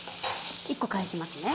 １個返しますね。